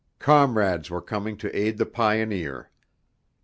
Comrades were coming to aid the pioneer.